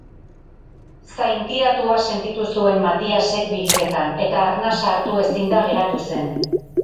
Zaintiratua sentitu zuen Matiasek biriketan eta arnasa hartu ezinda geratu zen.